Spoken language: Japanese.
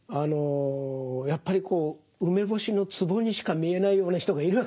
やっぱり梅干しのツボにしか見えないような人がいるわけですね。